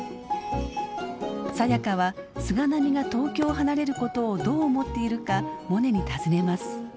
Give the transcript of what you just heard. サヤカは菅波が東京を離れることをどう思っているかモネに尋ねます。